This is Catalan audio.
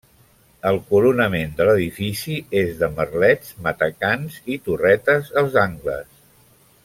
El coronament de l'edifici és de merlets, matacans i torretes als angles.